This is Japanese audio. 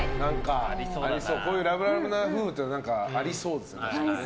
こういうラブラブな夫婦ってありそうですね。